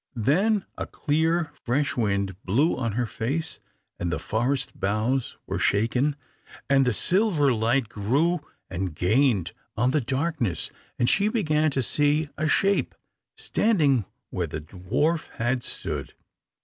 Then a clear fresh wind blew on her face, and the forest boughs were shaken, and the silver light grew and gained on the darkness, and she began to see a shape standing where the dwarf had stood.